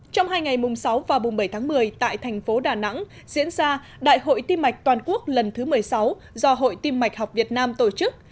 trong hai ngày mùng sáu và mùng bảy tháng một mươi tại thành phố đà nẵng diễn ra đại hội tim mạch toàn quốc lần thứ một mươi sáu do hội tim mạch học việt nam tổ chức